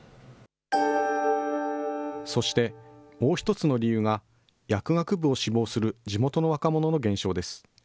そして、もう１つの理由が薬学部を志望する地元の若者の減少です。